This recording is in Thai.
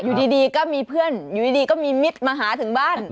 อยู่ดีก็มีเพื่อนอยู่ดีก็มีมิตรมาหาถึงบ้าน